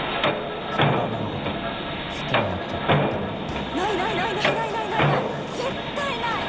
その旦那のこと好きになっちゃったってことないないない絶対ない！